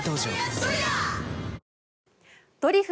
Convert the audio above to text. ドリフ